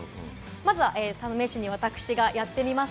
まずは試しに私がやってみます。